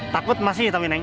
takut masih tapi neng